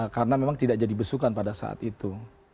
karena memang tidak jadi besukan pada saat itu